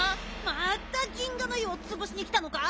また銀河の湯をつぶしにきたのか！？